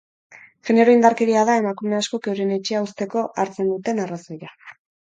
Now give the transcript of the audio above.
Genero-indarkeria da emakume askok euren etxea uzteko hartzen duten arrazoia.